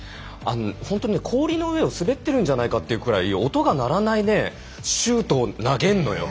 本当に氷の上を滑っているんじゃないかというぐらい音が鳴らないシュートを投げるのよ。